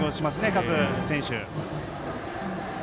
各選手。